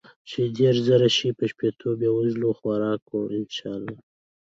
چې ديرش زره شي په شپيتو بې وزلو به خوراک کو ان شاء الله.